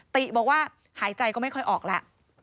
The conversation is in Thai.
ติบอกว่าหายใจก็ไม่ค่อยออกแล้ว